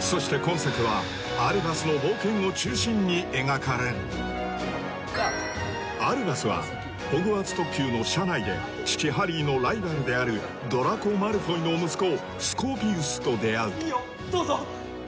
そして今作はアルバスの冒険を中心に描かれるアルバスはホグワーツ特急の車内で父ハリーのライバルであるドラコ・マルフォイの息子スコーピウスと出会ういいよどうぞ！